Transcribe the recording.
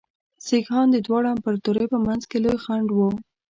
سیکهان د دواړو امپراطوریو په منځ کې لوی خنډ وو.